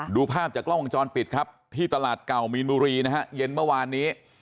ดูภาพจากกล้องวงจรปิดครับที่ตลาดเก่ามีนบุรีนะฮะเย็นเมื่อวานนี้